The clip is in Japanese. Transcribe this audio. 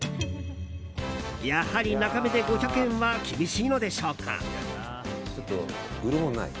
やはりナカメで５００円は厳しいのでしょうか。